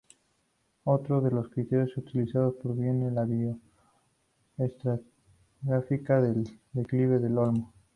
Otro de los criterios utilizados proviene de la bio-estratigrafía: el declive del olmo.